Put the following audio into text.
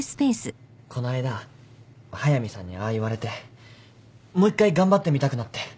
こないだ速見さんにああ言われてもう一回頑張ってみたくなって。